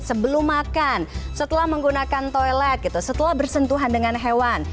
sebelum makan setelah menggunakan toilet gitu setelah bersentuhan dengan hewan